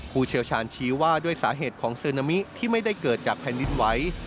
ผู้เชี่ยวชาญชี้ว่าด้วยสาเหตุของซึนามิที่ไม่ได้เกิดจากแผ่นดินไหว